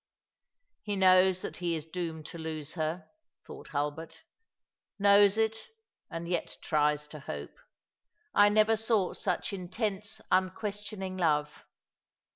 "He knows that he is doomed to lose her," thought Hulbert ;" knows it, and yet tries to hope. I never saw such intense, unquestioning love.